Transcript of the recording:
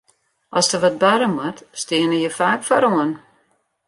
As der wat barre moat, steane je faak foaroan.